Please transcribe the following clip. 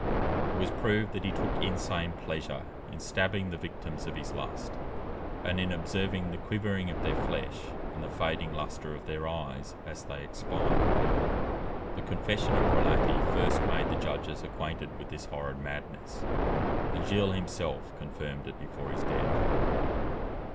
It was proved that he took insane pleasure in stabbing the victims of his lust and in observing the quivering of their flesh, and the fading lustre of their eyes as they expired. The confession of Prelati first made the judges acquainted with this horrid madness, and Gilles himself confirmed it before his death.